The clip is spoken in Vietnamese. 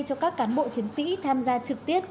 cho các cán bộ chiến sĩ tham gia trực tiếp